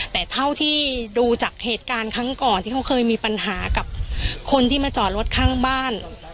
แต่เท่าที่ดูจากเหตุการณ์ครั้งก่อนที่เขาเคยมีปัญหากับคนที่มาจอดรถข้างบ้าน